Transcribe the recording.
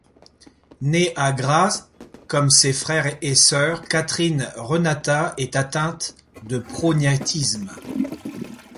Née à Graz comme ses frères et sœurs, Catherine Renata est atteinte de prognathisme.